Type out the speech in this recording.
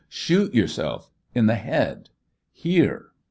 Shoot yourself in the head here!"